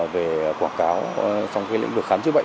về quảng cáo trong lĩnh vực khám chứa bệnh